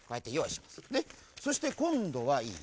そしてこんどはいい？